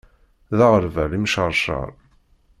D aɣerbal imceṛceṛ.